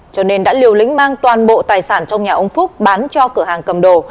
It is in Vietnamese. cho nên đã liều lĩnh mang toàn bộ tài sản trong nhà ông phúc bán cho cửa hàng cầm đồ